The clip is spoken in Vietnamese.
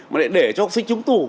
mà để cho học sinh trúng tù